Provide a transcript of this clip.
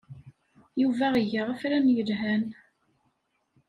Yuba iga afran yelhan.